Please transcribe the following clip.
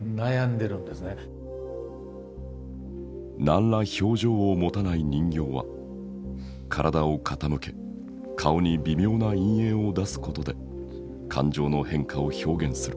何ら表情を持たない人形は体を傾け顔に微妙な陰影を出すことで感情の変化を表現する。